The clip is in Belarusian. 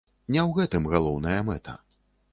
Не ў гэтым галоўная мэта.